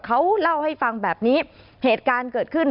เขาเล่าให้ฟังแบบนี้เหตุการณ์เกิดขึ้น